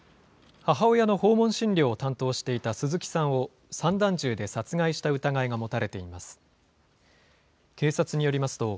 母親の訪問診療を担当していた鈴木さんを散弾銃で殺害した疑いが持たれています。